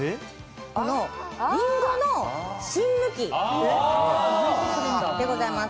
りんごの芯抜きでございます。